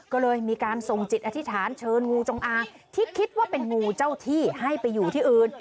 ก็เลยมีการส่งจิตอธิษฐานเชิญงูจงอางที่คิดว่าเป็นงูเจ้าที่ให้ไปอยู่ที่อื่น